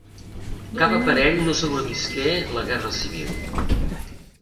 Cap aparell no sobrevisqué la guerra civil.